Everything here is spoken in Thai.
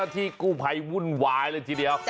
ที่กู้ภัยวุ่นวายเลยทีเดียว